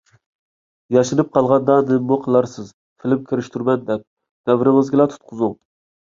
ياشىنىپ قالغاندا نېمىمۇ قىلارسىز فىلىم كىرىشتۈرىمەن دەپ، نەۋرىڭىزگىلا تۇتقۇزۇڭ.